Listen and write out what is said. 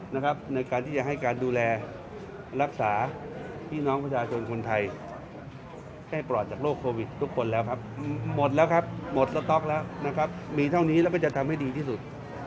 มีเท่านี้แล้วมันจะทำให้ดีที่สุด